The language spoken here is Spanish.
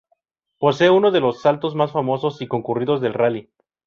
Posee uno de los saltos más famosos y concurridos del rally.